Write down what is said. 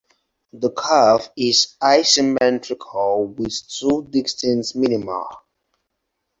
The curve is asymmetrical with two distinct minima.